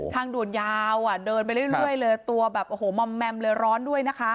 ทางด่วนยาวอะเดินไปเรื่อยตัวแบบแมมเรือร้อนด้วยนะคะ